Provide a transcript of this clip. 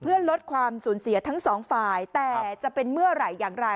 เพื่อลดความสูญเสียทั้งสองฝ่ายแต่จะเป็นเมื่อไหร่อย่างไร